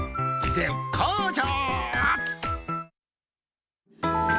絶好調。